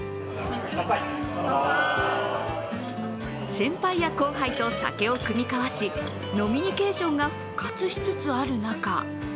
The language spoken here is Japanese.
先輩や後輩と酒を酌み交わし、飲みニケーションが復活しつつある中